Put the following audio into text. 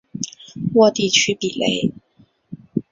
沃地区比雷。